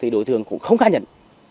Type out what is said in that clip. đối tượng cũng không khá nhận